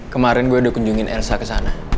kemarin gue udah kunjungin elsa kesana